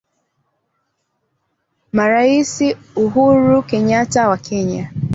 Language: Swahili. Marais Uhuru Kenyata wa Kenya